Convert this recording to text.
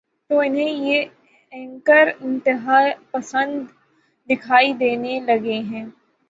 تو انہیں یہ اینکر انتہا پسند دکھائی دینے لگے ہیں۔